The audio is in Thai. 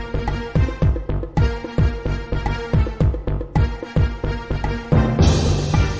ติดตามต่อไป